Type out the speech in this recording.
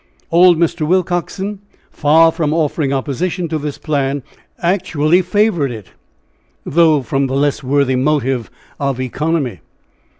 Old Mr. Willcoxen, far from offering opposition to this plan, actually favored it though from the less worthy motive of economy.